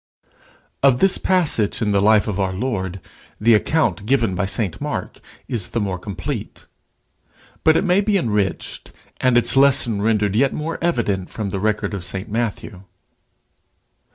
Of this passage in the life of our Lord, the account given by St Mark is the more complete. But it may be enriched and its lesson rendered yet more evident from the record of St Matthew.